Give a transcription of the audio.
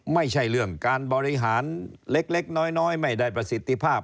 ไม่ใช่เรื่องการบริหารเล็กน้อยไม่ได้ประสิทธิภาพ